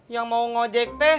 yang mau ngojek